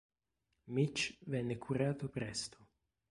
Mitch venne curato presto.